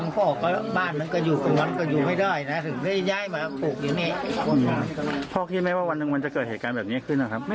พ่อคิดไหมว่าวันหนึ่งมันจะเกิดเหตุการณ์แบบนี้ขึ้นนะครับ